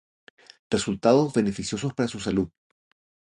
resultados beneficiosos para su salud